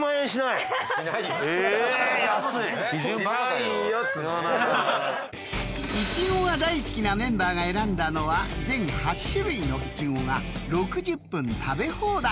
［イチゴが大好きなメンバーが選んだのは全８種類のイチゴが６０分食べ放題！］